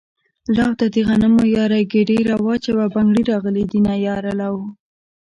لو ده دغنمو ياره ګيډی را واچوه بنګړي راغلي دينه ياره لو